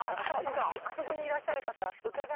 あそこにいらっしゃる方。